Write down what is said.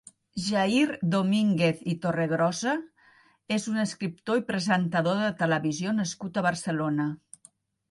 Jair Domínguez i Torregrosa és un escriptor i presentador de televisió nascut a Barcelona.